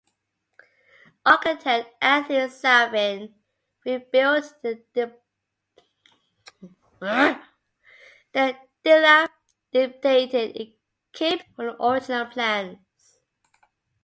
Architect Anthony Salvin rebuilt the dilapidated keep from the original plans.